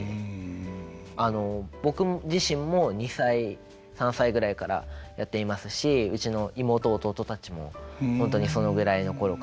僕自身も２歳３歳ぐらいからやっていますしうちの妹弟たちも本当にそのぐらいの頃からやってます。